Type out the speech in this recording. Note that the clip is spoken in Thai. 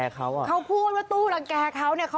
เขาพูดว่าตู้รังแก่เขาเนี่ย